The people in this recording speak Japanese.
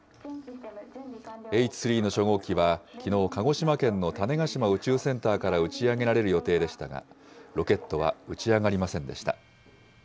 Ｈ３の初号機は、きのう、鹿児島県の種子島宇宙センターから打ち上げられる予定でしたが、ロケットは打ち上がりませんでした。